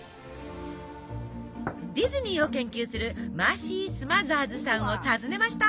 ディズニーを研究するマーシー・スマザーズさんを訪ねました。